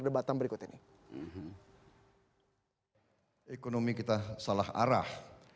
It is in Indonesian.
ekonomi kita salah arah